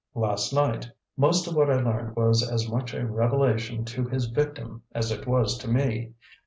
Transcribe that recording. "Last night. Most of what I learned was as much a revelation to his victim as it was to me.